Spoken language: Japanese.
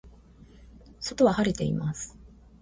外は晴れています。